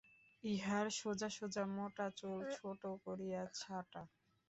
ইঁহার সোজা সোজা মোটা চুল ছোটো করিয়া ছাঁটা।